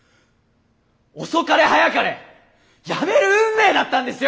遅かれ早かれ辞める運命だったんですよ！